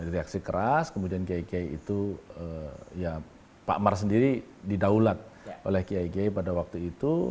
reaksi keras kemudian kiai kiai itu ya pak mar sendiri didaulat oleh kiai kiai pada waktu itu